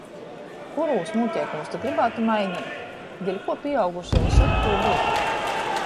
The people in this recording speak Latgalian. Kurūs nūteikumus tu grybātu maineit? Deļkuo pīaugušī vysod tū gryb?